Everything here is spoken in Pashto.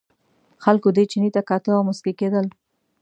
خلکو دې چیني ته کاته او مسکي کېدل.